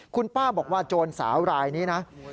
คุณป้าบอกว่าโจรสาวรายนี้นะ